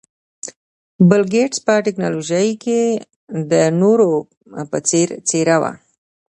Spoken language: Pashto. بل ګېټس په ټکنالوژۍ کې د نورو په څېر څېره وه.